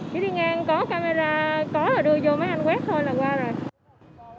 chỉ đi ngang có camera có rồi đưa vô máy anh quét thôi là qua rồi